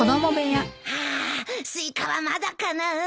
ハアスイカはまだかなあ。